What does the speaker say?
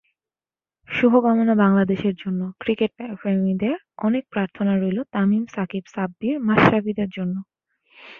শুভকামনা বাংলাদেশের জন্য, ক্রিকেটপ্রেমীদের অনেক প্রার্থনা রইল তামিম, সাকিব, সাব্বির, মাশরাফিদের জন্য।